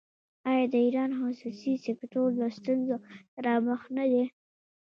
آیا د ایران خصوصي سکتور له ستونزو سره مخ نه دی؟